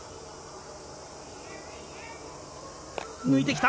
抜いてきた。